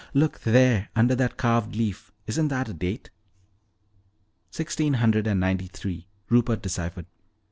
Look there, under that carved leaf isn't that a date?" "Sixteen hundred ninety three," Rupert deciphered.